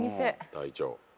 隊長。